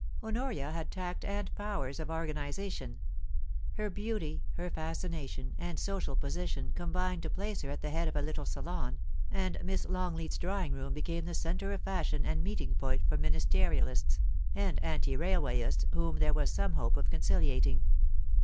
Honoria had tact and powers of organisation. Her beauty, her fascination, and social posi tion combined to place her at the head of a little salon, and Miss I^ngleat's drawing room became the centre of fashion and meeting point for Ministerialists, and Anti Railwayists whom there was some hope of conciliating.